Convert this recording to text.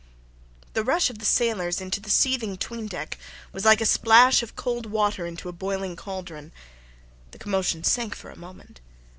The rush of the sailors into the seething 'tween deck was like a splash of cold water into a boiling cauldron. The commotion sank for a moment.